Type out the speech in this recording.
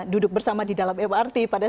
duduk bersama di dalam mrt pada